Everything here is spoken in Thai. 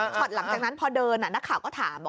หลังจากนั้นพอเดินนักข่าวก็ถาม